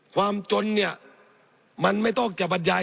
ความจนเนี่ยมันไม่ต้องจะบรรยาย